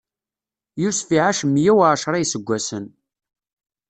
Yusef iɛac meyya uɛecṛa n iseggasen.